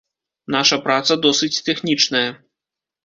Наша праца досыць тэхнічная.